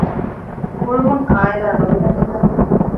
ގުޅުމަށް އާއިލާ ނުރުހެނީތަ؟